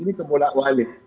ini kemudak wali